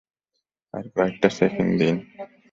আর কয়েকটা সেকেন্ড দিন!